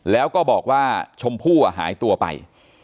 แล้วก็บอกว่าชมพู่หายตัวไป